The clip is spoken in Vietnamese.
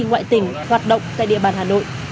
ngoại tỉnh hoạt động tại địa bàn hà nội